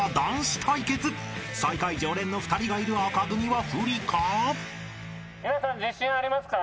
［最下位常連の２人がいる紅組は不利か？］